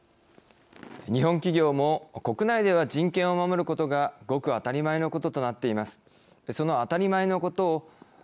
日本企業も国内では人権を守ることがごく当たり前のこととなっています。